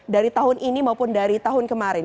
dari tahun ini maupun dari tahun kemarin